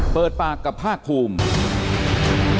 เปิดปากกับภาคภูมิ